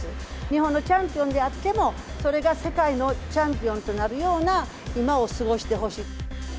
日本のチャンピオンであっても、それが世界のチャンピオンとなるような、今を過ごしてほしい。